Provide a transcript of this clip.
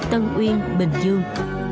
tân uyên bình dương